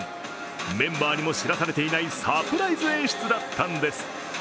メンバーにも知らされていないサプライズ演出だったんです。